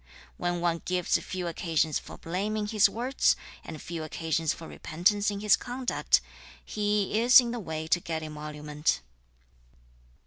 When one gives few occasions for blame in his words, and few occasions for repentance in his conduct, he is in the way to get emolument.'